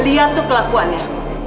lihat tuh kelakuannya